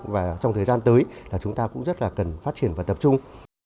và trong thời gian tới là chúng ta cũng rất là cần phát triển và tập trung